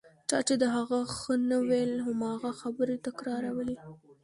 چا چې د هغه ښه نه ویل هماغه خبرې تکرارولې.